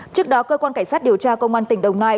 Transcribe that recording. trước đó cơ quan cảnh sát điều tra công an tỉnh đồng nai